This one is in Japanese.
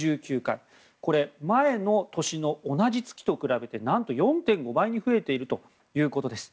これ、前の年の同じ月と比べて何と４．５倍に増えているということです。